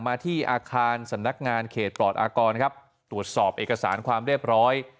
มาที่อาคารสำนักงานเขตปลอดอากรครับตรวจสอบเอกสารความเรียบร้อย